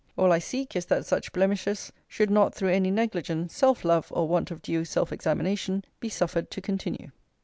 All I seek is that such blemishes should not through any negligence, self love, or want of due self examination, be suffered to continue.